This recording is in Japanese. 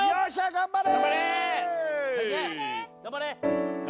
頑張れ！